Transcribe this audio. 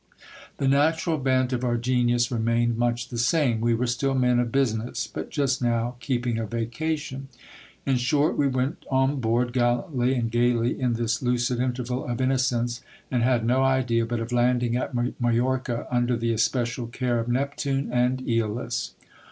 The na tural bent of our genius remained much the same ; we were still men of busi ness, but just now keeping a vacation. In short, we went on board gallantly and gaily in this lucid interval of innocence, and had no idea but of landing at Majorca under the especial care of Neptune and ^olus.